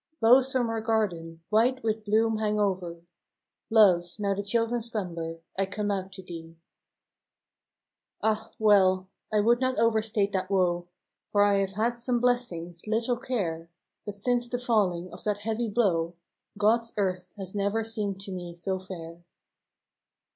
" Boughs from our garden, white with bloom hang over. Love, now the children slumber, I come out to thee. FROM QUEENS' GARDENS. Ah, well! I would not overstate that woe, For I have had some blessings, little care; But since the falling of that heavy blow, God's earth has never seemed to me so fair.